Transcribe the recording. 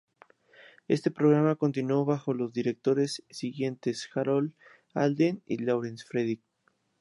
Este programa continuó bajo los dos directores siguientes, Harold Alden y Laurence Fredrick.